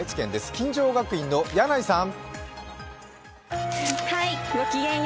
金城学院の柳井さん。